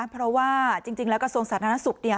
เพราะว่าจริงแล้วกระทรวงสาธารณสุข